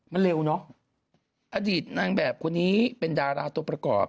มันเร็วเนอะอดีตนางแบบคนนี้เป็นดาราตัวประกอบ